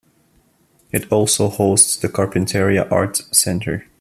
It also hosts the Carpinteria Arts Center.